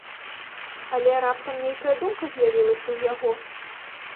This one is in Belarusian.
Але раптам нейкая думка з'явілася ў яго.